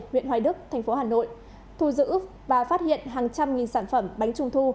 huyện hoài đức tp hcm thu giữ và phát hiện hàng trăm nghìn sản phẩm bánh trung thu